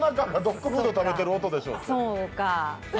そうか。